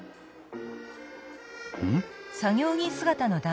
うん？